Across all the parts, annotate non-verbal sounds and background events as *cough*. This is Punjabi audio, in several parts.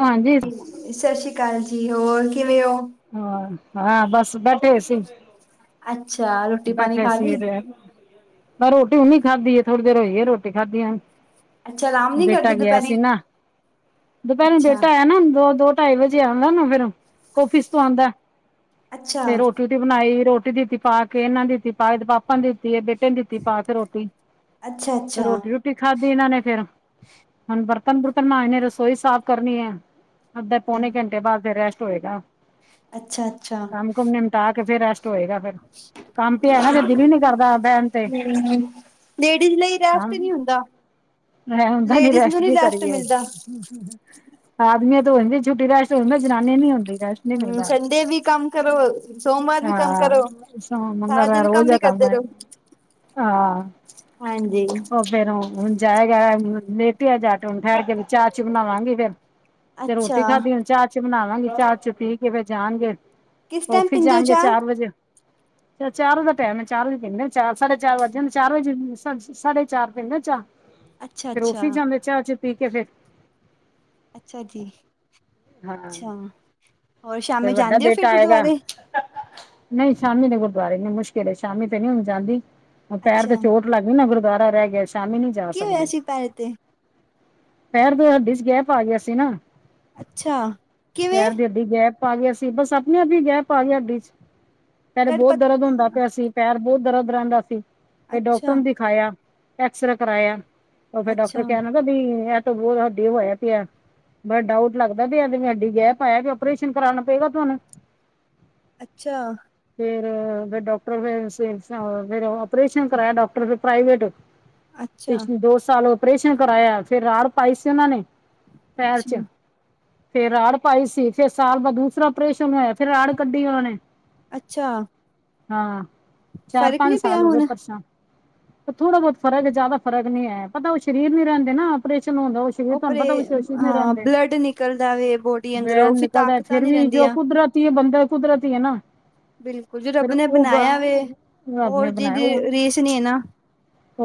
ਹਾਂਜੀ ਸਤਿ ਸ੍ਰੀ ਅਕਾਲ ਜੀ ਹੋਰ ਕਿਵੇਂ ਹੋ ਹਾਂ ਹਾਂ ਬਸ ਬੈਠੇ ਸੀ ਅੱਛਾ ਰੋਟੀ ਪਾਣੀ ਬੈਠੇ ਖਾ ਸੀ ਲਈ? ਤੇ ਮੈਂ ਰੋਟੀ ਨੀ ਖਾਧੀ ਥੋੜੀ ਦੇਰ ਹੋਈ ਹੈ ਰੋਟੀ ਖਾਧੀ ਆ ਅੱਛਾ ਆਰਾਮ ਨੀ ਬੇਟਾ ਕਰਦੇ ਗਿਆ ਦੁਪਹਿਰੇ ਸੀ ਨਾ ਦੁਪਹਿਰੇ ਅੱਛਾ ਬੇਟਾ ਆਇਆ ਨਾ ਦੋ ਦੋ ਢਾਈ ਵਜੇ ਆਉਂਦਾ ਨਾ ਫਿਰ ਫਿਸ ਤੋਂ ਆਉਂਦਾ ਅੱਛਾ ਫੇਰ ਰੋਟੀ ਰੋਟੀ ਬਣਾਈ ਰੋਟੀ ਦਿੱਤੀ ਪਾ ਕੇ ਇਹਨਾਂ ਨੇ ਦਿੱਤੀ ਪਾ ਪਾਪਾ ਨੇ ਦਿੱਤੀ ਹੈ ਬੇਟੇ ਨੇ ਦਿੱਤੀ ਪਾ ਕੇ ਰੋਟੀ ਅੱਛਾ ਤੇ ਅੱਛਾ ਰੋਟੀ ਰੋਟੀ ਖਾਧੀ ਇਹਨਾਂ ਨੇ ਫੇਿਰ ਹੁਣਰ ਤਨ ਪੁਰਤਨ ਮ ਇਹਨੇ ਰਸੋਈ ਸਾਫ਼ ਕਰਨੀ ਹੈ ਅੱਧੇ ਪੌਣੇ ਘੰਟੇ ਬਾਅਦ ਫ ਰੈਸਟ ਹੋਏਗਾ ਅੱਛਾ ਅੱਛਾ ਾਹ ਕੇ ਫਿਰ ਰਸਟ ਹੋਏਗਾ ਫਿਰ *inaudible* ਕੰਮ ਪਿਆ ਨਾ ਫਿਰ ਦਿਲ ਹੀ ਨੀ ਕਰਦਾ ਬਹਿਣ ਤੇ ਲੇਡੀਜ਼ ਲਈ ਰੈਸਟ ਨਹੀਂ ਹੁੰਦਾ ਮੈਂ, ਹੁੰਦਾ ਨੀ ਲੇਡੀਜ਼ ਰੈਸਟ ਨੂੰ ਕੀ ਕਰੀਏ, ਮਿਲਦਾ ਆਦਮੀਆਂ ਤੋਂ ਹੋ ਜਾਂਦੀ ਝੂਟੀ ਰਸ਼ ਹੁੰਦਾ, ਜਨਾਨੀ ਨੀ ਹੁੰਦੀ ਰੈਸਟ ਨੀ ਹਮ ਮਿਲਦਾ, ਸੰਡੇ ਵੀ ਕੰਮ ਕਰੋ ਸੋਮਵਾਰ ਵੀ ਕੰਮ ਕਰੋ ਹਾਂ ਸ ਸਾਰਾ ਮੰਗਲਵਾਰ ਦਿਨ ਰੋਜ਼ ਹੀ ਕੰਮ ਕਰਦੇ ਹੈ ਰਹੋ ਹਾਂ *unintelligible* ਹਾਂਜੀ ਉਹ ਫੇਰ ਹੁਣ ਜਾਏਗਾ ਲੇਟਿਆ ਜਾਟ ਹੁਣ ਠਹਿਰ ਕੇ ਚਾਹ ਚੀ ਬਣਾਵਾਂਗੀ ਫੇਰ ਤੇ ਅੱਛਾ ਰੋਟੀ ਖਾਧੀ, ਹੁਣ ਚਾਹ ਚੁ ਬਣਾਵਾਂਗੇ, ਚਾਹ ਚੁ ਪੀ ਕੇ ਫੇਰ ਜਾਣਗੇ ਕਿਸ ਟਾਈਮ ਆਫਿਸ ਪੀਂਦੇ ਹੋ ਜਾਣਗੇ ਚਾਹ ਚਾਰ ਵਜੇ ਚ ਚਾਰ ਵ ਦਾ ਟਾਈਮ ਚਾਰ ਵਜੇ ਪੀਂਦੇ, ਚਾਰ ਸਾਢੇ ਚਾਰ ਵੱਜ ਜਾਂਦੇ ਚਾਰ ਵਜੇ ਸਾਢੇ ਚਾਰ ਪੀਂਦੇ ਨਾ ਚਾਹ, ਅੱਛਾ ਫਿਰ ਅੱਛਾ ਆਫਿਸ ਜਾਂਦੇ ਚਾਹ ਚੁ ਪੀ ਕੇ ਫਿਰ ਅੱਛਾ ਜੀ, ਹਾਂ ਅੱਛਾ, ਹੋਰ ਫੇਰ ਸ਼ਾਮੀ ਵੱਡਾ ਜਾਂਦੇ ਹੋ ਫਿਰ ਬੇਟਾ ਆਏਗਾ ਗੁਰਦੁਆਰੇ ਨਹੀਂ, ਸ਼ਾਮੀ ਦੇ ਗੁਰਦੁਆਰੇ ਨੀ, ਮੁਸ਼ਕਿਲ ਸ਼ਾਮੀ ਤੇ ਨਹੀਂ ਹੁਣ ਜਾਂਦੀ, ਪੈਰ ਤੇ ਅੱਛਾ ਚੋਟ ਲੱਗ ਵੀ ਨਾ, ਗੁਰਦੁਆਰਾ ਰਹਿ ਗਿਆ, ਸ਼ਾਮੀ ਨੀ ਜਾ ਕੀ ਹੋਇਆ ਸਕਦੀ। ਸੀ ਪੈਰ ਤੇ ਪੈਰ ਦੀ ਹੱਡੀ 'ਚ ਗੈਪ ਆ ਗਿਆ ਸੀ ਨਾ- ਅਛਾ, ਕਿਵੇ- ਵਿਚ ਗੈਪ ਆ ਗਿਆ ਸੀ, ਬਸ ਆਪਣੇ ਆਪ ਗੈਪ ਆ ਗਿਆ ਹੱਡੀ 'ਚ, ਪਹਿਲੇ ਕਟਪ ਬਹੁਤ ਦਰਦ ਹੁੰਦਾ ਪਿਆ ਸੀ। ਪੈਰ ਬਹੁਤ ਦਰਦ ਰਹਿੰਦਾ ਸੀ, ਫਿਰ ਡਾਕਟਰ ਅੱਛਾ, ਨੂੰ ਦਿਖਾਇਆ ਐਕਸਰੇ ਕਰਾਇਆ। ਉਹ ਫੇਰ ਅੱਛਾ, ਡਾਕਟਰ ਕਹਿਣ ਲਗਾ। ਇਹ ਤਾਂ ਬਹੁਤ ਸਾਡੇ ਹੋਇਆ ਪਿਆ, ਬੜਾ ਡਾਊਟ ਲੱਗਦਾ ਵੀ ਐ ਹੱਡੀ ਵਿਚ ਗੈਪ ਆਇਆ ਜੋ ਉਪਰੇਸ਼ਨ ਕਰਾਉਣਾ ਪਏਗਾ ਤੁਹਾਨੂੰ- ਅੱਛਾ ਫੇਰ ਫ ਡਾਕਟਰ ਫ ਫਿਰ ਓਪਰੇਸ਼ਨ ਕਰਾਇਆ ਡਾਕਟਰ ਫ ਪ੍ਰਾਈਵੇਟ ਅੱਛਾ, ਪਿਛਲੇ ਦੋ ਸਾਲ ਓਪਰੇਸ਼ਨ ਕਰਾਇਆ, ਫਿਰ ਰਾੜ ਪਾਈ ਸੀ ਉਹਨਾਂ ਨੇ ਪੈਰ 'ਚ, ਅੱਛਾ। ਫੇਰ ਰਾੜ ਪਾਈ ਸੀ ਫੇਰ ਸਾਲ ਬਾਦ ਦੂਸਰਾ ਓਪਰੇਸ਼ਨ ਹੋਇਆ, ਫਿਰ ਰਾੜ ਕੱਢੀ ਉਹਨਾਂ ਨੇ ਅੱਛਾ ਹਾਂ, ਚਾਰ ਫ਼ਰਕ ਨੀ -ਪੰਜ ਪਿਆ ਸਾਲ ਹੋ ਗਏ ਹੁਣ? ਪਰਸਾ ਥੋੜਾ ਬਹੁਤ ਫ਼ਰਕ ਜ ਜ਼ਿਆਦਾ ਫਰਕ ਨੀ ਹੈ, ਪਤਾ ਉਹ ਸਰੀਰ ਨੀ ਰਹਿੰਦੇ ਨਾ ਆਪਰੇਸ਼ਨ ਹੁੰਦਾ ਸਰੀਰ ਤੁਹਾਨੂੰ ਉਪਰੇ, ਪਤਾ ਉਹ ਸਰੀਰ ਨੀ ਹਾਂ ਰਹਿੰਦੇ ਬਲੱਡ ਨਿਕਲਦਾ ਵਵੇ ਬੋਡੀ ਅੰਦਰੋਂ ਦਾ ਤਾਕਤਾਂ ਫੇਰ ਨੀ ਵੀ ਜੋ ਰਹਿੰਦੀਆਂ। ਕੁਦਰਤੀ ਬੰਦਾ, ਕੁਦਰਤੀ ਹੈ ਨਾ ਬਿਲਕੁਲ ਜੋ ਫਿਰ ਰੱਬ ਨੇ ਹੋਗਾ, ਬਣਾਇਆ ਵੇ ਰਬ ਉਹ ਨੇ ਬਣਾਇਆ ਜਿਹਦੀ ਉਹ ਰੀਸ ਨੀ ਹੈ ਨਾ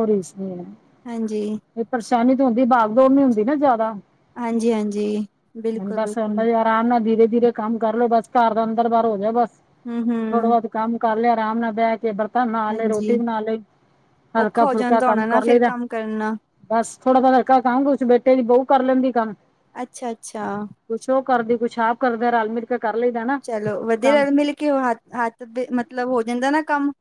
ਰਜ ਨਹੀਂ ਹੈ ਹਾਂਜੀ ਇਹ ਪਰੇਸ਼ਾਨੀ ਤਾਂ ਹੁੰਦੀ, ਭਾਗ ਦੌੜ ਨੀ ਹੁੰਦੀ ਨਾ ਜ਼ਿਆਦਾ ਹਾਂਜੀ- ਹਾਂਜੀ, ਹੁਣ ਬਿਲਕੁਲ- ਬਸ ਬਿਲਕੁਲ- ਬਈ ਆਰਾਮ ਨਾਲ ਧੀਰੇ- ਧੀਰੇ ਕੰਮ ਕਰ ਲਓ, ਬਸ ਘਰ ਦਾ ਅੰਦਰ ਬਾਹਰ ਹੋ ਜਾ ਬਸ, ਥੋੜਾ ਹੂੰ-ਹੂੰ, ਬਹੁਤ- ਕੰਮ ਕਰ ਲਿਆ, ਆਰਾਮ ਨਾਲ ਬਹਿ ਕੇ ਸਭ। ਨਾ ਲਏ ਹਾਂਜੀ। ਰੋਟੀ ਬਣਾ ਲਈ, ਔਖਾ ਹਲਕਾ, ਹੋ ਫੁਲਕਾ ਜਾਂਦਾ ਕੰਮ ਹੋਣਾ ਨਾ ਕਰ ਲਈ ਫਿਰ ਦਾ। ਕੰਮ ਕਰਨਾ- ਬਸ ਥੋੜਾ- ਥੋੜਾ ਹਲਕਾ ਕੰਮ ਬੇਟੇ ਦੀ ਬਹੂ ਕਰ ਲੈਂਦੀ ਕੰਮ- ਅਛਾ- ਅਛਾ- ਕੁਛ ਉਹ ਕਰਦੀ, ਕੁਛ ਆਪ ਕਰਦੇ, ਰਲ -ਮਿਲ ਕੇ ਕਰ ਲਈਦਾ ਨਾ ਕੰਮ- ਕਿ ਉਹ ਹੱ ਹੱਥ ਮਤਲਬ ਹੋ ਜਾਂਦਾ ਨਾ ਕੰਮ-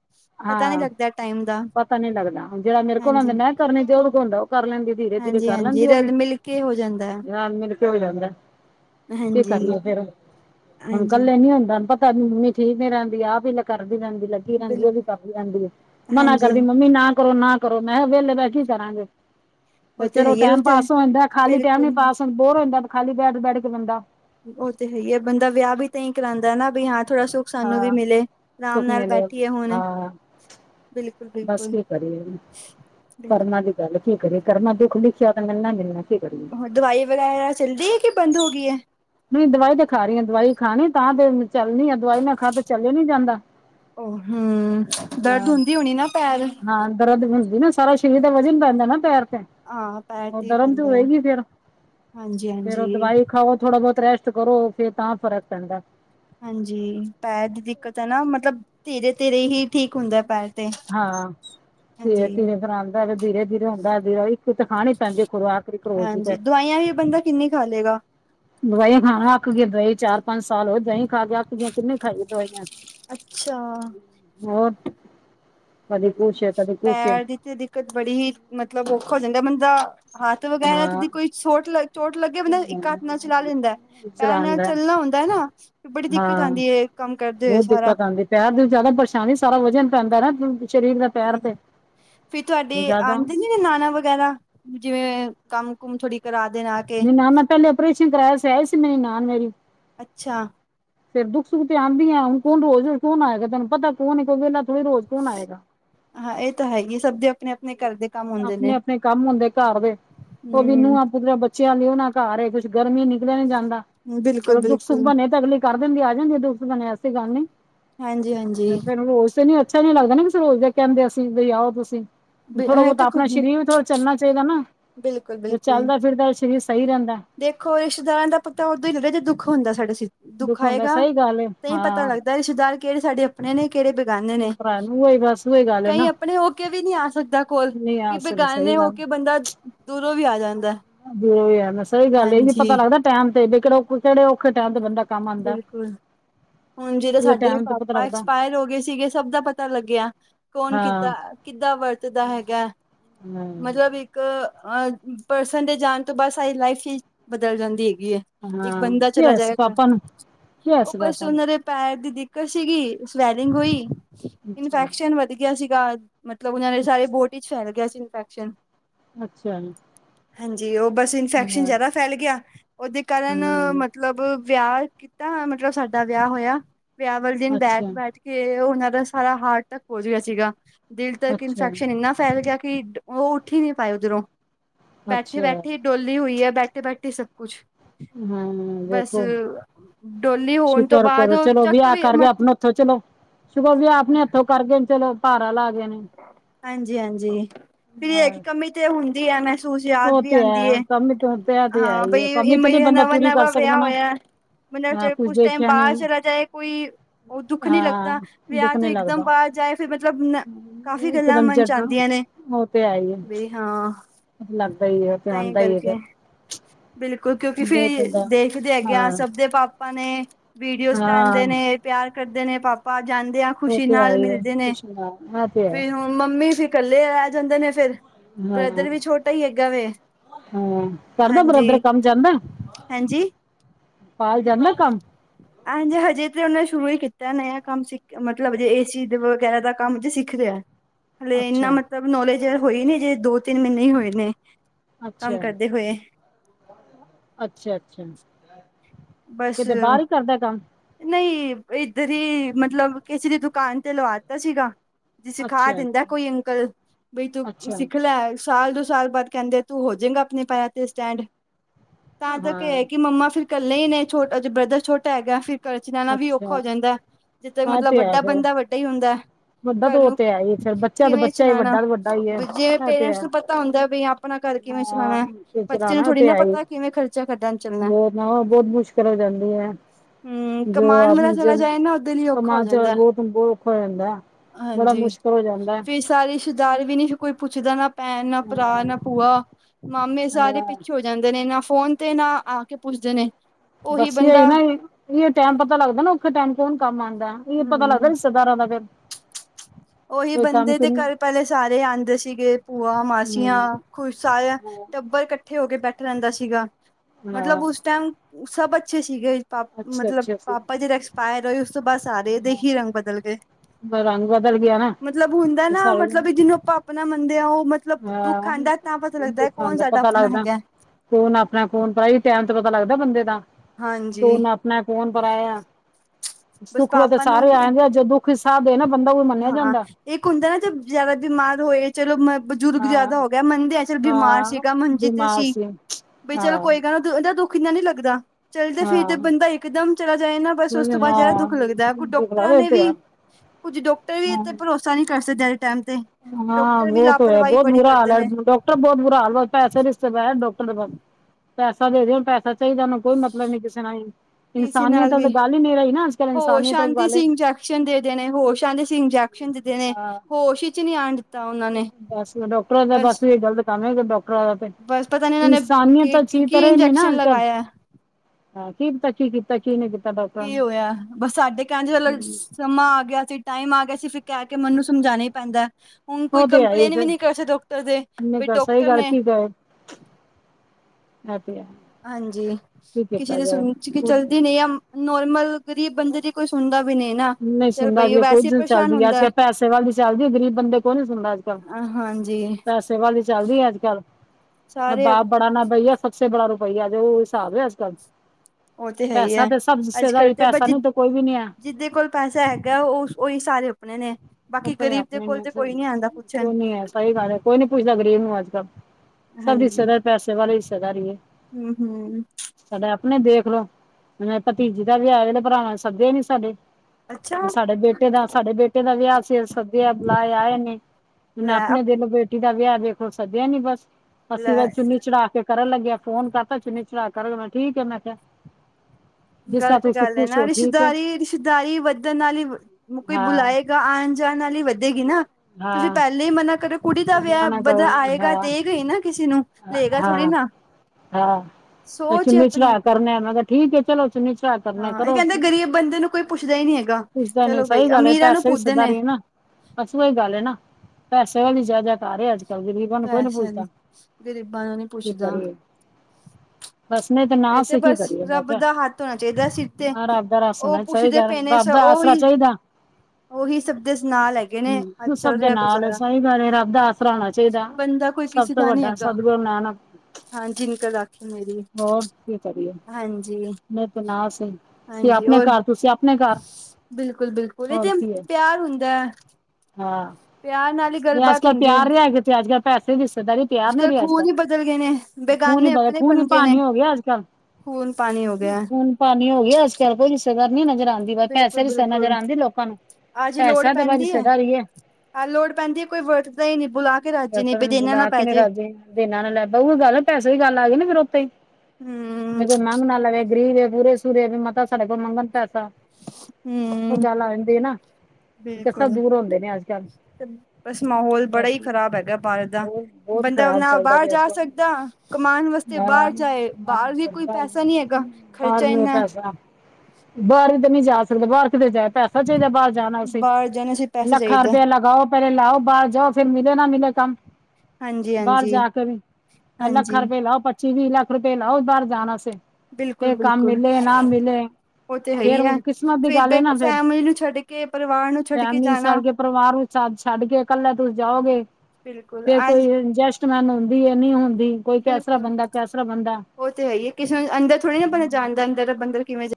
ਪਤਾ ਨੀ ਹਾਂ, ਲੱਗਦਾ ਟਾਈਮ ਦਾ ਪਤਾ ਨੀ ਲੱਗਦਾ, ਜਿਹੜਾ ਮੇਰੇ ਕੋਲ ਆ ਹਾਂਜੀ ਮੈ ਕਰਨੀ ਜਿਹੜਾ ਉਹਦੇ ਕੋਲ ਹੁੰਦਾ ਹੈ ਉਹ ਕਰ ਲੈਂਦੀ ਹੈ। ਧੀਰੇ- ਧੀਰੇ ਹਾਂਜੀ ਕਰ ਹਾਂਜੀ ਲੈਂਦੀ, ਉਹਵੀ ਰਲ ਮਿਲ ਕੇ ਹੋ ਜਾਂਦਾ ਹੈ ਰਲ ਮਿਲ ਕੇ ਹੋ ਜਾਦਾ - ਕੀ ਹਾਂਜੀ ਕਰਨਾ ਫੇਰ, ਹੁਣ ਹਾਂਜੀ ਇਕਲੇ ਨੀ ਹੁੰਦਾ ਪਤਾ- ਤੁਹਾਡੀ ਮੰਮੀ ਠੀਕ ਨੀ ਰਹਿੰਦੀ ਆਹ ਕਰਦੀ ਰਹਿੰਦੀ ਲੱਗੀ ਰਹਿੰਦੀ ਉਹਵੀ। ਬਿਲਕੁਲ ਕਰਦੀ ਰਹਿੰਦੀ ਹੈ, ਮਨਾ ਹਾਂਜੀ ਕਰਦੀ ਮੰਮੀ ਨਾ ਕਰੋ ਨਾ ਕਰੋ, ਮੈ ਕਿਹਾ ਵਿਹਲੇ ਬਹਿ ਕੇ ਕੀ ਕਰਾਂਗੇ। ਉਹ ਤੇ ਹੈ ਚਲੋ ਹੀ ਹੈ ਟਾਈਮ ਤਾਂ ਪਾਸ ਹੋ ਜਾਂਦਾ, ਖਾਲੀ ਟਾਈਮ ਬਿਲਕੁਲ ਨ ਪਾਸ- ਬੋਰ ਹੋ ਜਾਂਦਾ ਖਾਲੀ ਬੈਠ- ਬੈਠ ਕੇ ਬੰਦਾ ਉਹ ਤੇ ਹੈ। ਹੀ ਹੈ। ਬੰਦਾ ਵਿਆਹ ਵੀ ਤੇ ਹੀ ਕਰਾਉਦਾ ਨਾ ਹਾਂ ਥੋੜਾ ਸੁਖ ਸਾਨੂੰ ਵੀ ਹਾਂ ਮਿਲੇ ਆਰਾਮ ਸੁੱਖ ਨਾਲ ਮਿਲੇ ਬੈਠੀਏ ਹੁਣ। ਹਾਂ ਬਿਲਕੁਲ ਬਸ ਬਿਲਕੁਲ ਕੀ ਕਰੀਏ ਬਿਲਕੁਲ ਕਰਮਾ ਦੀ ਗੱਲ ਕੀ ਕਰੀਏ ਕਰਨਾ ਦੁਖ ਦੁਖ ਤੇ ਮਿਲਨਾ ਕੀ ਕਰੀਏ ਹੋਰ ਦਵਾਈ ਵਗੈਰਾ ਚੱਲਦੀ ਹੈ। ਕਿ ਬੰਦ ਹੋ ਗਈ ਹੈ। ਨਹੀ ਦਵਾਈ ਤੇ ਖਾ ਰਹੀ ਦਵਾਈ ਖਾਣੀ ਤਾਂ ਤੇ ਚੱਲਣੀ- ਦਵਾਈ ਨਾ ਖਾਂ ਚੱਲਿਆ ਨੀ ਜਾਂਦਾ ਉਹ ਹਮ ਦਰਦ ਹ ਹੁੰਦੀ ਹੋਣੀ ਨਾ ਪੈਰ ਹਾਂ। ਦਰਦ ਹੁੰਦੀ ਨਾ ਸਾਰਾ ਸਰੀਰ ਦਾ ਵਜ਼ਨ ਪੈਂਦਾ ਨਾ ਪੈਰ ਤੇ ਹਾਂ ਪੈਰ ਉਹ ਹੀ ਦਰਮ ਤੇ ਪੈਂਦਾ ਹੈ ਹੋਏਗੀ ਫੇਰ ਹਾਂਜੀ- ਹਾਂਜੀ ਉਹ ਦਵਾਈ ਖਾਓ ਥੋੜਾ ਬਹੁਤ ਰੈਸਟ ਕਰੋ ਫਿਰ ਤਾਂ ਫ਼ਰਕ ਪੈਂਦਾ। ਹਾਂਜੀ ਪੈਰ ਦੀ ਦਿੱਕਤ ਹੈ। ਨਾ ਮਤਲਬ ਧਿਰੇ- ਧਿਰੇ ਹੀ ਠੀਕ ਹੁੰਦਾ ਪੈਰ ਤੇ ਹਾਂ ਧਿਰ- ਹਾਂਜੀ, ਧਿਰੇ ਆਂਦਾ ਫਿਰ ਧੀਰੇ- ਧੀਰੇ ਹੁੰਦਾ ਇੱਕ ਤਾਂ ਖਾਣੀ ਤੇ ਪੈਦੀ ਖੁਰਰਾਕ- ਇੱਕ ਰੋਜ਼ ਦੀ ਹਾਂਜੀ ਦਵਾਈਆਂ ਵੀ ਬੰਦਾ ਕਿੰਨੀ ਖਾ ਲਏਗਾ। ਦਵਾਈਆਂ ਖਾ ਖਾ ਅੱਕ ਗਏ ਦਵਾਈ ਚਾਰ ਪੰਜ ਸਾਲ ਹੋ ਦਵਾਈ ਖਾ ਕੇ ਅੱਕ ਗਏ ਕਿੰਨੇ ਖਾਈਏ ਦਵਾਈਆਂ। ਅੱਛਾ। ਹੋਰ ਕਦੀ ਬੜੀ ਕੁਛ ਹੈ, ਕਦੇ ਕੁਛ। ਪੈਰ ਦੀ ਤੇ ਦਿੱਕਤ ਬੜੀ ਹੀ ਮਤਲਬ ਔਖਾ ਹੋ ਜਾਂਦਾ ਬੰਦਾ ਹੱਥ ਵਗੈਰਾ ਹਾਂ ਦੀ ਕੋਈ ਛੋਟ ਲੱ ਚੋਟ ਲੱਗੇ ਬੰਦਾ ਇੱਕ ਹੱਥ ਨਾਲ ਚਲਾ ਲੈਂਦਾ ਪੈਰ ਨਾਲ ਚਲਾਉਂਦਾ ਚੱਲਣਾ ਹੁੰਦਾ ਹਨਾ। ਬੜੀ ਦਿੱਕਤ ਆਉਂਦੀ ਹੈ ਕੰਮ ਕਰਦੇ ਹੋਏ ਸਾਰਾ। ਪਹਿਰ ਦੀ ਜਿਆਦਾ ਪਰੇਸ਼ਾਨੀ ਸਾਰਾ ਵਜਨ ਪੈਂਦਾ ਨਾ ਸਰੀਰ ਦਾ ਪੈਰ ਤੇ ਫਿਰ ਤੁਹਾਡੇ ਇਹ ਜਿਆਦਾ ਆਉਂਦੇ ਨੀ ਨਨਾਣਾ ਵਗੈਰਾ ਜਿਵੇ ਕਮ ਕੁਮ ਥੋੜੀ ਕਰਾ ਦੇ ਨਾਲ ਨਹੀ ਨਾ- ਨਾ ਪਹਿਲੇ ਆਪਓਪਰੇਸ਼ਨ ਕਰਾਇਆ ਸੀਇਆ ਸੀ ਮੈਰੀ ਨਨਾਣ ਮੇਰੀ ਅਛਾ ਫਿਰ ਦੁੱਖ ਸੁੱਖ ਤੇ ਆਂਦੀ ਹੁ ਕੌਣ ਰੋਜ਼ੋ ਕੌਣ ਆਏਗਾ ਤੈਨੂੰ ਪਤਾ ਕੌਨ ਕੋਈੇਵੇਲਾ ਥੋੜੀ ਰੋਜ਼ ਕੌਣ ਆਏਗਾ। ਹਾਂ ਇਹ ਤਾਂ ਹੈ। ਹੀ ਸਭ ਦੇ ਆਪਣੇ ਆਪ ਆਪਣੇ ਆਪਣੇ ਕੰਮ ਹੁੰਦੇ ਘਰ ਦੇ ਉਹ ਹੂੰ। ਵੀਨੂੰ ਪੁਤ- ਬੱਚਿਆਂ ਲਈ ਉਹ ਨਾ ਘਰ ਏ ਕੁਛ ਗਰਮੀ ਨਿਕਲਿਆ ਨੀ ਜਾਂਦਾ ਬਿਲਕੁਲ, ਅਗਰ ਦੁੱਖ ਸੁੱਖ ਬਿਲਕੁਲ ਬਣਿਆ ਤਾਂ ਅਗਲੀ ਕਰ ਦਿੰਦੀ ਆ ਜਾਦੀ ਦੋਸਤ ਬਣੇ ਐਸੀ ਗੱਲ ਨੀ ਹਾਂਜੀ, ਹਾਂਜੀ ਤੇ ਫੇਰ ਰੋਜ ਤੇ ਨੀ ਅਛਾ ਨੀ ਲੱਗਦਾ ਨਾ ਰੋਜ ਦੇ ਕਹਿੰਦੇ ਅਸੀ ਵੀ ਆਓ ਤੁਸੀ ਥੋੜ੍ਹਾ ਇਹ ਬਹੁਤਾ ਤਾਂ ਆਪਣਾ ਖੁਦ ਸਰੀਰ ਵੀ ਥੋੜ੍ਹਾ ਚੱਲਣਾ ਚਾਹੀਦਾ ਨਾ ਬਿਲਕੁਲ ਬਿਲਕੁਲ ਚੱਲਦਾ ਫਿਰਦਾ ਸਰੀਰ ਸਹੀ ਰਹਿੰਦਾ ਦੇਖੋ ਰਿਸ਼ਤੇਦਾਰਾਂ ਦਾ ਪਤਾ ਉਦੋ ਹੀ ਲਗਦਾ ਦੁੱਖ ਹੁੰਦਾ ਸਾਡੇ ਸਰੀ ਦੁੱਖ ਹੁੰਦਾ ਆਏਗਾ ਸਹੀ ਗੱਲ ਏ ਤੇ ਪਤਾ ਹਾਂ ਲੱਗਦਾ ਰਿਸ਼ਤੇਦਾਰ ਕਿਹੜੇ ਸਾਡੇ ਆਪਣੇ ਨੇ ਕਿਹੜੇ ਬੈਗਾਨੇ ਨੇ ਭਰਾ ਨੂੰ ਉਹੀ ਬਸ ਉਹੀ ਗੱਲ ਏ ਕਈ ਨਾ ਆਪਣੇ ਹੋ ਕੇ ਵੀ ਨਹੀ ਆ ਸਕਦਾ ਕੋਲ ਨਹੀਂ ਕਿ ਆ ਬੇਗਾਨੇ ਸਹੀ ਗੱਲ ਹੋ ਕੇ ਬੰਦਾ ਦੂਰੋਂ ਵੀ ਆ ਜਾਂਦਾ। ਮੈਂ ਸਹੀ ਗੱਲ ਇਹ ਪਤਾ ਹਾਂਜੀ ਲੱਗਦਾ ਟਾਈਮ ਤੇ ਵੀ ਕਿਹੜੇ ਔਖੇ ਟਾਈਮ ਤੇ ਬੰਦਾ ਕੰਮ ਆਉਂਦਾ ਬਿਲਕੁਲ। ਹੁਣ ਜਿਹੜਾ ਇਹ ਸਾਡੇ ਟਾਈਮ ਤੇ ਪਤਾ ਪਾਪਾ ਲੱਗਦਾ ਐਕਸਪਾਇਰ ਹੋ ਗਏ ਸੀਗੇ ਸਭ ਦਾ ਪਤਾ ਲੱਗਿਆ। ਕੌਣ ਹਾਂ ਕਿੱਦਾਂ, ਕਿੱਦਾਂ ਵਰਤਦਾ ਹੈਗਾ। ਹਮ *unintelligible* ਮਤਲਬ ਇੱਕ ਅ ਪਰਸਨ ਦੇ ਜਾਣ ਤੋਂ ਬਾਅਦ ਸਾਰੀ ਲਾਈਫ ਚੀ ਬਦਲ ਜਾਂਦੀ ਹੈਗੀ ਹੈ। ਇੱਕ ਹਾਂ ਬੰਦਾ ਚਲਾ ਯਸ ਜਾਏਗਾ। ਪਾਪਾ ਨੂੰ ਉਹ ਯਸ ਬਸ ਪਾਪਾ ਨੂੰ ਉਹਨਾਂ ਦੇ ਪੈਰ ਦੀ ਦਿੱਕਤ ਸੀਗੀ ਸਵੈਲਿੰਗ ਹੋਈ ਅੱਛਾ ਇਨਫੈਕਸ਼ਨ ਵੱਧ ਗਿਆ ਸੀਗਾ ਮਤਲਬ ਉਹਨਾਂ ਨੇ ਸਾਰੇ ਅੱਛਾ ਬੋਟ ਵਿਚ ਫੈਲ ਗਿਆ ਸੀ ਇਨਫੈਕਸ਼ਨ ਅੱਛਾ ਜੀ। ਹਾਂਜੀ ਉਹ ਬਸ ਇਨਫੈਕਸ਼ਨ ਜ਼ਿਆਦਾ ਫੈਲ ਗਿਆ ਉਹਦੇ ਕਾਰਨ ਹਾਂ ਮਤਲਬ ਵਿਆਹ ਕੀਤਾ ਮਤਲਬ ਸਾਡਾ ਵਿਆਹ ਹੋਇਆ ਵਿਆਹ ਵਾਲੇ ਦਿਨ ਬੈਠ, ਅੱਛਾ ਬੈਠ ਕੇ ਕਿ ਉਹਨਾਂ ਦਾ ਸਾਰਾ ਹਾਰਟ ਤੱਕ ਪਹੁਚ ਗਿਆ ਸੀਗਾ ਦਿਲ ਤੱਕ ਅੱਛਾ ਇਨਫੈਕਸ਼ਨ ਇੰਨਾ ਫੈਲ ਗਿਆ ਕਿ ਉਹ ਉੱਠੀ ਨੀ ਪਾਏ ਉੱਧਰੋਂ ਬੈਠੇ, ਅੱਛਾ ਬੈਠੇ ਡੋਲੀ ਹੋਈ ਹੈ ਬੈਠੇ ਬੈਠੇ ਸਭ ਕੁੱਛ ਹਾਂ, ਵੇਖੋ। ਡੋਲੀ ਹੋਣ ਤੋਂ ਸ਼ੁਕਰ ਬਾਅਦ ਕਰੋ ਉਹ ਚਲੋ ਚੱਕ ਵੇਆ ਵੀ ਕਾਰ ਗੀ, ਮਤ ਆਪਨੇ ਹੱਥੋਂ ਚਲੋ ਸ਼ੁਕਰ ਵੇਆ ਆਪਨੇ ਹੱਥੋਂ ਕਾਰ ਗੇ ਨ ਚਲੋ, ਭਾਰਾ ਲਾ ਗੇ ਨੇ। ਹਾਂਜੀ-ਹਾਂਜੀ, ਫੇਰ ਏ ਕਿ ਹਾਂ ਕਮੀ ਤੇ ਹੁੰਦੀ ਐ ਨਾ ਤੁਸ਼ ਯਾਦ ਉਹ ਵੀ ਤੇ ਆਂਦੀ ਏ ਹੈ ਕਮੀ ਤਾਂ ਤੇ ਹੈ ਤੇ ਹੈ ਹਾਂ, ਹੀ ਹੈ ਬਈ ਕਮੀ ਤਾਂ ਨਹੀਂ ਏਈ ਬੰਦਾ ਪੂਰੀ ਕਰ ਨਵਾਂ-ਨਵਾਂ ਸਕਦਾ ਵੇਆ ਨਾ ਹੋਏਐ। ਮਤਲਬ ਹਾਂ ਜੇ ਕੁੱਝ ਕੁਛ ਟੈਮ ਦੇਖਿਆ ਬਾਰ ਨਹੀਂ ਚਲਾ ਜਾਏ ਕੋਈ ਓ ਦੁੱਖ ਨੀ ਹਾਂ ਲੱਗਦਾ, ਵੇਹ ਤੋਂ ਦੁਖਣੇ ਇਕਦਮ ਲੱਗਦਾ ਬਾਰ ਜਾਏ ਫਿਰ ਮਤਲਬ ਕ ਓਹੀ ਗੱਲਾਂ ਇਕਦਮ ਮਨ ਚ ਚੜਨਾ ਆਂਦੀਆਂ ਨੇ, ਉਹ ਤੇ ਹੈ ਹੀ ਹੈ ਬਈ ਹਾਂ ਲੱਗਦਾ ਈ ਏ। ਤਾਂਈ ਕਰਕੇ, ਬਿਲਕੁਲ ਕੇਓਕਿ ਬਹੁਤ ਫਿਰ ਹੁੰਦਾ ਦੇਖਦੇ ਹੈਗੇ ਆ ਹਾਂ ਸਬ ਦੇ ਪਾਪ ਪਾਪਾ ਨੇ, ਵੀੜੀਓਜ਼ ਹਾਂ ਪਾਂਦੇ ਨੇ ਪੇਆਰ ਕਰਦੇ ਨੇ ਪਾਪਾ ਜਾਂਦੇ ਆ ਉਹ ਖ਼ੁਸ਼ੀ ਤੇ ਹੈ ਨਾਲ ਹੀ ਹੈ ਮਿਲਦੇ ਨੇ, ਕੁਛ ਨਾ ਇਹ ਤੇ ਹੈ ਫਿਰ ਓ ਮੰਮੀ ਫਿਰ ਕੱਲੇ ਰੈ ਜਾਂਦੇ ਨੇ ਫੇਰ, ਹਾਂ ਬ੍ਰਦਰ ਵੀ ਛੋਟਾ ਈ ਹੈਗਾ ਵੇ। ਹਾਂ, ਕਰਦਾ ਹਾਂਜੀ ਬ੍ਰਦਰ ਕਾੰਮ ਜਾਂਦੈ ਹਾਂਜੀ ਨਾਲ ਜਾਂਦੈ ਕਾੰਮ? ਐਂਜ ਹਜੇ ਤੇ ਓਨੇ ਸ਼ੁਰੂ ਈ ਕੀਤੈ ਨਯਾ ਕੰਮ ਸਿੱਖ ਮਤਲਬ ਹਜੇ ਏ ਸੀ ਦੇ ਵਗੈਰਾ ਦਾ ਕੰਮ ਜੀ ਸਿੱਖ ਖ ਰੈਯਾ, ਹਲੇ ਇਨਾ ਅੱਛਾ ਮਤਲਬ ਨੌਲੇਜ ਹੋਈ ਨੀ ਹਜੇ ਦੋ-ਤਿੰਨ ਮ੍ਹੀਨੇ ਈ ਹੋਏ ਨੇ। ਕੰਮ ਅੱਛਾ, ਕਰਦੇ ਹੋਏ। ਅੱਛਾ-ਅੱਛਾ। ਬਸ ਕਰਦਾ ਕੰਮ? ਨਈ ਏਦਰ ਈ, ਮਤਲਬ ਕਿਸੀ ਦੀ ਦੁਕਾਨ ਤੇ ਲਵਾ ਤਾ ਸੀਗਾ। ਜੇ ਸਿਖਾ ਅੱਛਾ ਅੱਛਾ ਦਿੰਦਾ ਕੋਈ ਅੰਕਲ, ਬਈ ਤੂੰ ਅੱਛਾ ਸਿੱਖ ਲੈ। ਸਾਲ ਦੋ ਸਾਲ ਬਾਦ ਕੈਂਦੇ, ਤੂੰ ਹੋਜੇਂਗਾ ਅਪਣੇ ਪੈਰਾਂ ਤੇ ਸਟੈਂਡ। ਤਾਂ ਤੱਕ ਏ ਹਾਂ ਹੇ ਕਿ ਮੰਮਾ ਫਿਰ ਕੱਲੇ ਨੇ, ਛੋਟਾ ਜੇ ਬ੍ਰਦਰ ਛੋਟਾ ਹੈਗਾ ਫਿਰ ਘਰ ਚਲਾਨਾ ਵੀ ਓਖਾ ਅੱਛਾ ਹੋ ਜਾਂਦੈ, ਜਿੱਥੇ ਹਾਂ ਮਤਲਬ ਤੇ ਹੈ ਵੱਡਾ ਫਿਰ ਬੰਦਾ ਵੱਡਾ ਈ ਹੋਂਦੈ। ਵੱਡਾ ਘਰ ਤਾਂ ਉਹ ਨੂੰ ਤੇ ਹੈ ਹੀ ਫਿਰ ਬੱਚਾ ਤਾਂ ਕਿਵੇਂ ਬੱਚਾ ਹੀ ਚਲਾਣਾ, ਵੱਡਾ ਤਾਂ ਵੱਡਾ ਹੀ ਹੈ ਜਿਵੇਂ ਇਹ ਤੇ ਪੇਰੇਂਟਸ ਹੈ ਨੂੰ ਪਤਾ ਹੁੰਦੈ ਵਈ ਆਪ ਅਪਣਾ ਘਰ ਕਿਵੇਂ ਹਾਂ ਚਲਾਣੈ, ਤੇ ਬੱਚੇ ਨੂੰ ਚਲਾਣਾ ਥੋੜੀ ਤੇ ਨਾ ਹੈ ਹੀ ਪਤਾ ਕਿਵੇਂ ਖਰਚਾ ਕਡਨ ਚੱਲਨੈ। ਬਹੁਤ ਨਾ, ਬੋਤ ਮੁਸ਼ਕਲ ਹੋ ਜਾਂਦੀ ਐ। ਹੂੰ ਜੋ *unintelligible* ਕਮਾਨ ਵਾਲਾ ਚਲਾ ਜਾਏ ਨਾ ਉਹਦੇ ਲਈ ਔਖਾ ਹੋ ਜਾਂਦਾ ਬੋਤ ਓਖਾ ਹੋ ਜਾਂਦੈ। ਹਾਂਜੀ, ਫੇਰ ਸਾਰੇ ਰਿਸ਼ਤੇਦਾਰ ਵੀ ਨੀ ਕੋਈ ਪੁੱਛਦਾ, ਨਾ ਭੈਣ, ਨਾ ਭਰਾ, ਨਾ ਭੂਆ, ਮਾਮੇ ਸਾਰੇ ਹਾਂ ਪਿੱਛੇ ਹੋ ਜਾਂਦੇ ਨੇ, ਨਾ ਫੋਨ ਤੇ ਨਾ ਆ ਕੇ ਪੁੱਛਦੇ ਨੇ। ਉਹੀ ਬਸ ਏ ਆ ਬੰਦਾ ਨਾ, ਇਓ ਟੈਮ ਪਤਾ ਲੱਗਦੈ ਨਾ ਔਖੇ ਟੈਮ ਕੋਨ ਕੰਮ ਆਂਦੈ ਇਓ ਪਤਾ ਲੱਗਦੈ ਹੂੰ ਰਿਸ਼ਤੇਦਾਰਾਂ ਦਾ *unintelligible* ਓਹੀ ਕੋਈ ਕੰਮ ਬੰਦੇ ਦੇ ਕਿੰਨਾ ਘਰ ਪੈਲੇ ਸਾਰੇ ਆਂਦੇ ਸੀਗੇ ਭੂਆ, ਮਾਸੀਆਂ ਹਮ ਖੁਸ਼ ਸਾਰ ਟੱਬਰ ਕੱਠੇ ਹੋ ਕੇ ਬੈਠਾ ਰੈਂਦਾ ਸੀਗਾ, ਹਾਂ ਮਤਲਬ ਉਸ ਟੈਮ ਸਬ ਅੱਛੇ ਸੀਗੇ। ਪਾ ਅੱਛਾ ਮਤਲਬ ਅੱਛਾ ਫਿਰ ਪਾਪਾ ਜਦ ਐਕਸਪਾਏਰ ਹੋਏ, ਉਸ ਤੋਂ ਬਾਦ ਸਾਰੇ ਦੇ ਹੀ ਰੰਗ ਬਦਲ ਗਏ। ਬੇਰੰਗ ਮਤਲਬ ਹੁੰਦਾ ਨਾ, ਮਤਲਬ ਵੀ ਜਿਨੂੰ ਆਪਾਂ ਅਪਨਾ ਮੰਨਦੇ ਆ ਓ ਮਤਲਬ ਦੁੱਖ ਹਾਂ ਆਂਦਾ ਤਾਂ ਪਤਾ ਲੱਗਦੈ, ਕੋਣ ਸਾਡਾ ਅਪਣਾ ਹੈਗਾ। ਕੋਨ ਅਪਨਾ ਕੋਨ ਪਰਾਯਾ ਟੈਮ ਤੇ ਪਤਾ ਲਾਗਦਾ ਬੰਦੇ ਦਾ, ਹਾਂਜੀ ਕੋਨ ਅਪਨਾ ਕੋਨ ਪਰਾਏਆ। ਬਸ ਸੁੱਖ ਵੇਲ ਤਾਂ ਪਾਪਾ ਨੂੰ ਸਾਰੇ ਆਂਦੇ ਆ ਜਾਂਦੇ ਆ, ਜੋ ਦੁੱਖ ਵਿੱਚ ਸਾਥ ਦੇ ਨਾ ਬੰਦਾ ਓ ਮੰਨੇਆ ਹਾਂ ਜਾਂਦਾ। ਇੱਕ ਹੁੰਦਾ ਨਾ ਜਬ ਜਾਦਾ ਬਿਮਾਰ ਹੋਏ। ਚਲੋ ਮ ਬਜ਼ੁਰਗ ਹਾਂ ਜਾਦਾ ਹੋ ਗੇਆ ਮੰਨਦੇ ਆ ਚੱਲ ਬਿਮਾਰ ਹਾਂ ਸੀਗਾ ਮੰਜੀ ਤੇ ਬਿਮਾਰ ਸੀ, ਬਈ ਚਲੋ ਹਾਂ ਕੋਈ ਗੱਲ ਓਦਾ ਦੁੱਖ ਇੰਨਾ ਨੀ ਲੱਗਦਾ, ਚੱਲਦੇ ਫਿਰਦੇ ਹਾਂ ਬੰਦਾ ਇੱਕ ਦਮ ਚਲਾ ਜਾਏ ਨਾ ਬਸ ਉਸ ਤੋਂ ਬੋਤ ਜਾਦਾ ਹਾਂ ਦੁੱਖ ਲੱਗਦੈ, ਕੁੱਝ ਡੋਕਟਰਾਂ ਦਿਖਲਾਵੇ ਨੇ ਤੇ ਵੀ ਆ ਕੁੱਝ ਡੋਕਟਰ ਵੀ ਹਾਂ ਏਥੇ ਭਰੋਸ ਸਾ ਨੀ ਕਰ ਸਕਦੇ ਆੱਜ ਦੇ ਟੈਮ ਤੇ। ਹਾਂ ਵੀ ਵੋ ਤੋ ਹੈ, ਲਾਪਰਵਾਹੀ ਬੋਤ ਬੜੀ ਬੁਰਾ ਹਾਲ ਕਰਦੇ ਐ ਨੇ ਡੋਕ ਡੋਕਟਰ ਬੋਤ ਬੁਰਾ ਹਾਲ *unintelligible* ਪੈਸੇ ਰਿਸ਼ਤੇ ਪੈ ਡੋਕਟਰ ਦੇ ਬਸ। ਪੈਸਾ ਦੇ ਦੋ ਪੈਸਾ ਚਈਦਾ ਓਨੂੰ ਕੋਈ ਮਤਲਬ ਨੀ ਕਿਸੇ ਨਾਲ ਵੀ। ਕਿਸੇ ਇਨਸਾਨੀਅਤ ਨਾਲ ਆਲੀ ਤਾਂ ਵੀ ਗਾੱਲ ਈ ਨੀ ਰਈ ਨਾ ਆਜ-ਕਾੱਲ, ਹੋਸ਼ ਇਨਸਾਨੀਅਤ ਆਲੀ ਆਂਦੇ ਗੱਲ ਸੀ ਇੰਜੈਕਸ਼ਨ ਦੇ ਦੇਣੇ ਹੋਸ਼ਾਂ ਆਂਦੀ ਸੀ ਇੰਜੈਕਸ਼ਨ ਦੇ ਦੇਣੇ, ਹਾਂ ਹੋਸ਼ ਚ ਈ ਨੀ ਆਣ ਦਿੱਤਾ ਉਹਨਾਂ ਨੇ ਬਸ ਡਾਕਟਰਾਂ ਦਾ ਬਸ ਵੀ ਏ ਗਲਤ ਕੰਮ ਏ ਡਾਕਟ ਆ ਤੇ, ਬਸ ਪਤਾ ਨੀ ਇਹਨਾਂ ਇਨਸਾਨੀਅਤ ਨੇ ਆਲੀ ਚੀਜ ਕੀ ਤਾਂ ਰਹੀ ਨੀ ਨਾ ਇੰਜੈਕਸ਼ਨ ਅੱਜ ਕੱਲ੍ਹ। ਲਗਾਇਆ ਹਾਂ, ਕੀ ਪਤਾ ਕੀ ਕੀ ਤਾਂ ਕੀ ਨੀ ਕੀਤਾ ਬ ਕੀ ਹੋਇਆ, ਬਸ ਸਾਡੇ ਕਹਿਣ ਚ ਲ ਸਮਾਂ ਆ ਗਿਆ ਸੀ ਟਾਈਮ ਆ ਗਿਆ ਸੀ ਫਿਰ ਕਹਿ ਕੇ ਮਨ ਨੂੰ ਸਮਝਾਣਾ ਈ ਪੈਂਦਾ ਐ। ਹੁਣ ਕੋਈ ਕੰਪਲੇਂਨ ਵੀ ਨੀ ਕਰ ਸਕਦਾ ਡਾਕਟਰ ਦੇ ਨਈ ਵੀ ਦਸ ਸਹੀ ਡਾਕਟਰ ਗੱਲ ਨੇ ਕੀ ਦੈ, ਐ ਤੇ ਹੈ। ਹਾਂਜੀ, ਕੀ ਕਿਸੇ ਕੀਤਾ ਦੀ ਜਾਏ ਸੁਣ ਚੱਲਦੀ ਨਈ ਆ ਨੋਰਮਲ ਗ਼ਰੀਬ ਬੰਦੇ ਦੀ ਕੋਈ ਸੁਣਦਾ ਵੀ ਨੀ, ਨਈ ਸੁਣਦਾ ਅੱਜ ਕੱਲ੍ਹ ਕੁਝ ਨੀ ਚੱਲਦੀ ਅੱਜ ਕੱਲ੍ਹ ਪੈਸੇ ਵੱਲੇ ਦੀ ਚੱਲਦੀ ਆ, ਗਰੀਬ ਬੰਦੇ ਕੋਈ ਨੀ ਸੁਣਦਾ ਅੱਜ ਕੱਲ੍ਹ। ਹਾਂਜੀ। ਪੈਸੇ ਵਾਲੇ ਚੱਲਦੀ ਆ ਅੱਜ ਕੱਲ੍ਹ, ਨਾ ਸਾਰੇ ਬਾਪ ਬੜਾ ਨਾ ਬਈਆ, ਸਬਸੇ ਬੜਾ ਰੁਪਈਆ ਦੇ ਓ ਸਾਬ ਏ ਅੱਜ ਕੱਲ੍ਹ। ਉਹ ਹੈ ਹੀ ਪੈਸਾ ਹੈ ਤੇ ਸਬ ਅੱਜ ਕੱਲ ਰਿਸ਼ਤੇਦਾਰੀ, ਬ ਪੈਸਾ ਨੀ ਤੇ ਕੋਈ ਵੀ ਨੀ ਐ। ਜਿਹਦੇ ਕੋਲ ਪੈਸਾ ਹੈਗਾ ਓ ਓਹੀ ਸਾਰੇ ਆਪਣੇ ਨੇ। ਬਾਕੀ ਗ਼ਰੀਬ ਦੇ ਆਪਣੇ-ਆਪਣੇ ਕੋਲ ਨੇ ਤੇ ਜੀ, ਕੋਈ ਨੀ ਆਉਂਦਾ ਪੁੱਛਣ ਕੋਈ ਨੀ ਹੈ ਸਈ ਗੱਲ ਐ। ਕੋਈ ਨੀ ਪੁੱਛਦਾ ਗਰੀਬ ਨੂੰ ਅੱਜ ਕੱਲ੍ਹ, ਸਭ ਰਿਸ਼ਤੇਦਾਰੀ ਪੈਸੇ ਵਾਲੀ ਰਿਸ਼ਤੇਦਾਰੀ ਏ। ਹੂੰ, ਹੂੰ। ਸਾਡਾ ਅਪਣੇ ਦੇਖਲਓ ਭਤੀਜੀ ਦਾ ਵਿਆਹ ਏ ਭਰਾਵਾਂ ਸੱਦੇ ਈ ਨੀ ਸਾਡੇ। ਅੱਛਾ ਸਾਡੇ ਬੇਟੇ ਦਾ ਸਾਡੇ ਬੇਟੇ ਦਾ ਵਿਆਹ ਸੀ ਅਸ ਸੱਦਿਆ ਬੁਲਾਏ ਆਏ ਨੇ ਮੈਂ ਲੈ ਆਪਣੇ ਦਿਲੋ ਬੇਟੀ ਦਾ ਵਿਆਹ ਵੇਖਲੋ ਸੱਦਿਆ ਨੀ ਬਸ। ਅਸੀਂ ਲੈ ਤਾਂ ਚੁੰਨੀ ਚੜਾ ਕੇ ਕਰਨ ਲੱਗੇ ਆ ਫੋਨ ਕਰਤਾ ਚੁੰਨੀ ਚੜਾ ਕਰਣ ਮੈਂ ਠੀਕ ਐ ਮੈਂ ਕਿਹਾ। ਜਿਸ ਤਰ੍ਹਾਂ ਗਲਤ ਤੁਸੀਂ ਗੱਲ ਐ ਖੁਸ਼ ਨਾ ਹੋ ਠੀਕ ਹੈ ਰਿਸ਼ਤਦਾਰੀ ਰਿਸ਼ਤਦਾਰੀ ਵੱਧਣ ਨਾਲ ਈ ਕੋਈ ਹਾਂ ਬੁਲਾਏ ਆਣ ਜਾਣ ਨਾਲ ਈ ਵੱਧੇਗੀ ਨਾ, ਤੁਸੀਂ ਹਾਂ ਪਹਿਲੇ ਈ ਮਨਾ ਕਰੇਓ ਕੁੜੀ ਦਾ ਵਿਆਹ ਮਨਾ ਕਰ ਬੰਦਾ ਆਏਗਾ ਹਾਂ ਦੇਗਾ ਈ ਨਾ ਕਿਸੇ ਨੂੰ ਲਏਗਾ ਥੋੜ੍ਹੀ ਹਾਂ ਨਾ। ਹਾਂ, ਤੇ ਸੋਚ ਏ ਚੁੰਨੀ ਆਪਣੀ ਚੜਾ ਕੇ ਆਪਣੀ ਕਰਨਾ ਐ, ਮੈਂ ਕਿਹਾ ਠੀਕ ਏ ਚਲੋ ਚੁੰਨੀ ਚ ਆ ਕਰਨਾ ਹਾਂ ਇਹ ਕਰੋ ਕਹਿੰਦੇ ਤੁਸੀਂ, ਗ਼ਰੀਬ ਬੰਦੇ ਨੂੰ ਕੋਈ ਪੁੱਛਦਾ ਹੀ ਨਹੀਂ ਹੈਗਾ ਪੁੱਛਦਾ ਨੀ ਚਲੋ ਬਈ ਸਹੀ ਗੱਲ ਏ ਅਮੀਰਾਂ ਨੂੰ ਪੈਸੇ ਦੀ ਪੁੱਜਦੇ ਨੇ ਰਿਸ਼ਤੇਦਾਰੀ ਏ ਨਾ। ਬਸ ਉਹੀ ਗੱਲ ਐ ਨਾ, ਪੈਸੇ ਵਾਲੀ ਜਾਦਾ, ਸਾਰੇ ਅੱਜ ਕੱਲ੍ਹ ਗਰੀਬਾਂ ਨੂੰ ਕੋਈ ਨੀ ਪੈਸੇ ਪੁੱਛਦਾ, ਗ਼ਰੀਬਾਂ ਨੂੰ ਨੀ ਕੀ ਪੁੱਛਦਾ ਕਰੇ, ਇਹ ਤੇ ਅਸੀਂ ਕੀ ਬਸ ਕਰੀਏ ਮੈਂ ਰੱਬ ਕਿਹਾ ਦਾ ਹੱਥ ਹੋਣਾ ਚਾਹੀਦਾ ਸਿਰ ਤੇ, ਹਾਂ ਰੱਬ ਦਾ ਰਾਸ ਉਹ ਹੋਣਾ ਪੁੱਛਦੇ ਚਾਹੀਦਾ ਪਏ ਨੇ ਰੱਬ ਸ ਦਾ ਆਸਰਾ ਉਹੀ, ਚਾਹੀਦਾ ਉਹੀ ਸਭ ਦੇ ਨਾਲ ਹੈਗ ਹੂੰ, ਸਭ ਦੇ ਨਾਲ ਏ, ਸਹੀ ਗੱਲ ਏ ਰੱਬ ਦਾ ਆਸਰਾ ਹੋਣਾ ਚਾਹੀਦਾ ਬੰਦਾ ਸਭ ਤੋਂ ਵੱਡਾ। ਸਤਿਗੁਰ ਨਾਨਕ, ਹਾਂਜੀ, ਜਿਨ ਕੱਲ੍ਹ ਰਾਖੀ ਮੇਰੀ, ਹੋਰ ਕੀ ਕਰੀਏ, ਹਾਂਜੀ ਨਈ ਤੇ ਨਾ ਸਈ, ਅਸੀਂ ਘਾਰ ਤੁਸੀਂ ਆਪਣੇ ਘਰ। ਬਿਲਕੁਲ-ਬਿਲਕੁਲ, ਇਹ ਹੋਰ ਤੇ ਕੀ ਹੈ ਪਿਆਰ ਹੁੰਦਾ। ਹਾਂ, ਪਿਆਰ ਨਾਲ ਹੀ ਜੇ ਅੱਜ ਗੱਲਬਾਤ ਕੱਲ੍ਹ ਹੁੰਦੀ ਹੈ ਪਿਆਰ ਰਿਆ ਕਿਥੇ ਅੱਜ ਕੱਲ੍ਹ ਪੈਸੇ ਵੀ- ਰਿਸ਼ਤੇਦਾਰੀ ਪਿਆਰ ਨੀ ਰਿਆ ਅੱਜ ਖੂਨ ਕੱਲ੍ਹ, ਹੀ ਬਦਲ ਗਏ ਨੇ ਖੂਨ ਨੀ ਬਦਲ ਖੂਹ ਈ ਪਾਣੀ ਹੋ ਗਿਆ ਅੱਜ ਕੱਲ੍ਹ। ਹੋਰ ਤਾਂਹੀ ਹੋ ਗਿਆ। ਪਾਣੀ ਹੋ ਗਿਆ ਅਜ ਕੱਲ੍ਹ, ਕੋਈ ਰਿਸ਼ਤੇਦਾਰ ਨੀ ਨਜ਼ਰ ਆਂਦ ਪੈਸੇ ਬਿਲਕੁਲ ਦੀ ਰਿਸ਼ਤੇਦਾਰੀ ਨਜ਼ਰ ਬਿਲਕੁਲ ਆਉਂਦੀ ਲੋਕਾਂ ਨੂੰ, ਪੈਸਾ ਤੇ ਬਸ ਰਿਸ਼ਤੇਦਾਰੀ ਏ। ਆਹ ਲੋੜ ਪੈਂਦੀ ਕੋਈ ਵਰਤ, ਤਕਦਾ ਈ ਨੀ ਬੁਲਾ ਕੇ ਰਾ ਪਤਾ ਨੀ ਬੁਲਾ ਕੇ ਨੀ ਰਾਜੀ, ਦੇਨਾ ਨੇ ਲੈ ਬ ਗੱਲ ਪੈਸੇ ਦੀ ਗੱਲ ਆ ਗਈ ਨਾ ਫੇਰ ਓਥੇ ਈ। ਹੂੰ। ਤੇ ਕੋਈ ਮੰਗ ਨਾ ਲਵੇ ਗਰੀਬ ਏ ਪੂਰੇ ਸੂਰੇ ਵੇ ਮਤਾ ਸਾਡੇ ਕੋਲ ਮੰਗਣ ਪੈਸਾ। ਉਹ ਹਮ ਗੱਲ ਆਦੀ ਨਾ। ਇੱਕ ਸਭ ਬਿਲਕੁਲ। ਦੂਰ ਹੁੰਦੇ ਨੇ ਅੱਜ ਕੱਲ ਤੇ ਬਸ ਮਾਹੌਲ ਬੜਾ ਬਸ ਈ ਖ਼ਰਾਬ ਹੈਗਾ। ਭਾਰਤ ਦਾ। ਬਹੁਤ ਬਹੁਤ ਬੰਦਾ ਖ਼ਰਾਬ ਨਾ ਚੱਲਦਾ ਬਾਰ ਪਿਆ ਅੱਜ ਜਾ ਕੱਲ ਸਕਦਾ। ਕਮਾਣ ਵਾਸਤੇ ਬਾਰ ਹਾਂ ਜਾਏ। ਬਾਰ ਵੀ ਕੋਈ ਪੈਸਾ ਨ੍ਹੀਂ ਹੈਗਾ ਖ਼ਰਚਾ ਏਨਾ। ਬਾਰ ਵੀ ਤੇ ਨਈ ਜਾ ਸਕਦੇ। ਬਾਰ ਕਿਤੇ ਜਾ ਪੈਸਾ ਚਾਈਦਾ ਬਾਰ ਜਾਣ ਅਸੇ। ਬਾਹਰ ਜਾਣੇ ਸੀ ਪੈਸੇ ਲੱਖਾਂ ਚਾਹੀਦਾ ਰੁਪਇਆ ਲਗਾਓ। ਪੈਲੈ ਲਾਓ ਬਾਰ ਜਾਓ। ਫੇਰ ਮਿਲੇ ਨਾ ਮਿਲੇ ਕੰਮ। ਹਾਂਜੀ ਬਾਰ ਹਾਂਜੀ ਜਾ ਕਰ ਵੀ ਹਾਂਜੀ ਲੱਖਾਂ ਰੁਪਏ ਲਾਓ- ਪਤੀ ਵੀਹ ਲੱਖ ਰੁਪਏ ਲਾਓ ਬਾਰ ਜਾਣਾ ਅਸੇ। ਬਿਲਕੁਲ ਫੇਰ ਕੰਮ ਬਿਲਕੁਲ ਮਿਲੇ ਨਾ ਮਿਲੇ। ਉਹ ਤੇ ਹੈ ਫੇਰ ਹੀ ਹੈ ਹੁਣ ਕਿਸਮਤ ਦੀ ਫਿਰ ਗੱਲ ਏ ਬ ਨਾ ਫੇਰ। ਫੈਮਿਲੀ ਨੂੰ ਛੱਡ ਕੇ ਪਰਿਵਾਰ ਨੂੰ ਛੱਡ ਕੇ ਫੈਮਲੀ ਜਾਣਾ ਸਡਕੇ ਪਰਿਵਾਰ ਛੱ ਛੱਡ ਕੇ ਕੱਲੇ ਤੁਸੀਂ ਜਾਓਗੇ। ਬਿਲਕੁਲ ਫੇਰ ਅੱਜ ਕੋਈ ਜੇਸਟਮੈਂਟ ਹੁੰਦੀ ਏ ਨਈ ਹੁੰਦੀ। ਕੋਈ ਕੈਸਰਾ ਬਿਲਕੁਲ ਬੰਦਾ ਕੈਸਰਾ ਬੰਦਾ ਉਹ ਤੇ ਹੈ ਹੀਏ ਕਿਸੇ ਨੂੰ ਅੰਦਰ ਥੋੜ੍ਹੀ ਨਾਤਾ ਜਾਣਦਾ ਅੰਦਰ ਬੰਦਰ ਕਿਵੇਂ